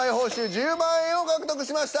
１０万円を獲得しました。